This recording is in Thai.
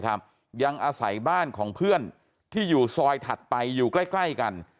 ยังอาศัยบ้านของเพื่อนที่อยู่ซอยถัดไปอยู่ใกล้กัน